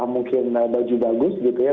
mungkin baju bagus gitu ya